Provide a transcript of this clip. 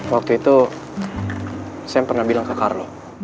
waktu itu sam pernah bilang ke carlo